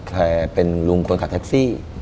ใครเป็นลุงคนขับแท็กซี่